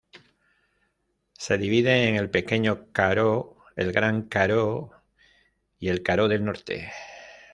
Se divide en el Pequeño Karoo, el Gran Karoo y el Karoo del Norte.